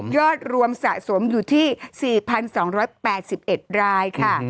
อดรวมสะสมอยู่ที่๔๒๘๑รายค่ะ